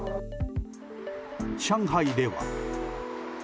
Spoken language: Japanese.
上海では。